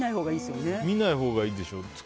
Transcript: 見ないほうがいいでしょうし。